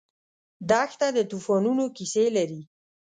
دښته د توفانونو کیسې لري.